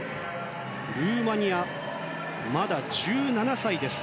ルーマニア、まだ１７歳です。